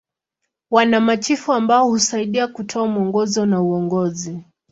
Wana machifu ambao husaidia kutoa mwongozo na uongozi.